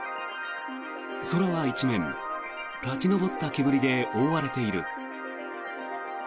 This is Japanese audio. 空は一面、立ち上った煙で覆われている。